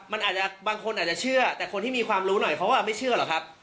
มันอาจจะบางคนอาจจะเชื่อแต่คนที่มีความรู้หน่อยเขาไม่เชื่อหรอกครับ